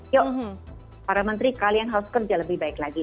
yuk para menteri kalian harus kerja lebih baik lagi